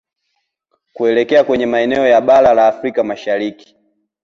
kuelekea kwenye maeneo ya Bara la Afrika Mashariki